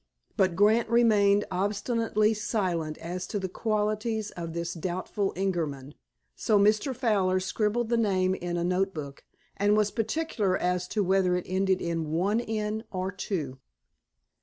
But Grant remained obstinately silent as to the qualities of this doubtful Ingerman, so Mr. Fowler scribbled the name in a note book, and was particular as to whether it ended in one "n" or two.